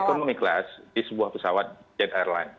ekonomi kelas di sebuah pesawat jet airline